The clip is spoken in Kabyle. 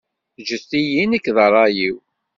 Ǧǧet-iyi nekk d ṛṛay-iw.